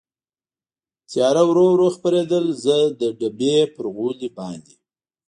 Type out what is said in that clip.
تېاره ورو ورو خپرېدل، زه د ډبې پر غولي باندې.